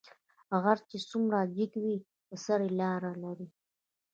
غر چې څومره جګ وي په سر لار لري